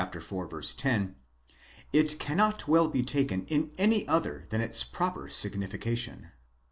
ro), it cannot well be taken in any other than its proper signification.